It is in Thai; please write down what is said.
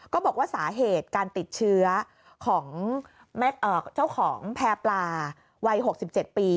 ก็บอกว่าสาเหตุการติดเชื้อของเจ้าของแพร่ปลาวัย๖๗ปี